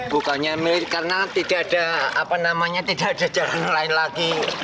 bukannya milih karena tidak ada apa namanya tidak ada jalan lain lagi